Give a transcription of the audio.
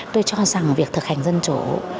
tôi cho rằng việc thực hành dân chủ